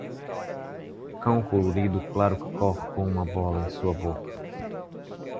Cão colorido claro que corre com uma bola em sua boca.